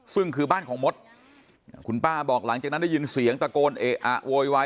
ซึ่งคือบ้านของมดคุณป้าบอกหลังจากนั้นได้ยินเสียงตะโกนเอะอะโวยวาย